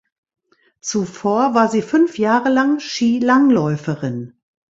Zuvor war sie fünf Jahre lang Skilangläuferin.